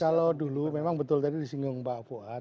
kalau dulu memang betul tadi disinggung mbak fuad